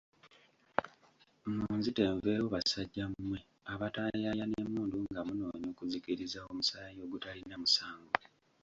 Munzite nveewo basajja mmwe abataayaaya n’emmundu nga munoonya okuzikiriza omusaayi ogutalina musango.